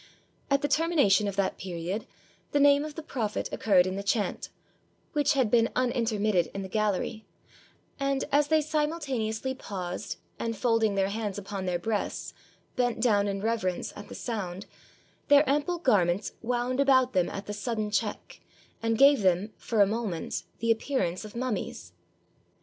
At the termination of that period, the name of the Prophet occurred in the chant, which had been unin termitted in the gallery; and, as they simultaneously paused, and, folding their hands upon their breasts, bent down in reverence at the sound, their ample garments wound about them at the sudden check, and gave them, for a moment, the appearance of mummies.